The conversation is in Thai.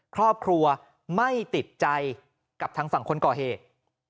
ครอบครัวไม่ติดใจกับทางฝั่งคนก่อเหตุ